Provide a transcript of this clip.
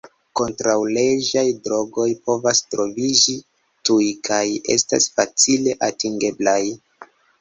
Kontraŭleĝaj drogoj povas troviĝi tuj kaj estas facile atingeblaj.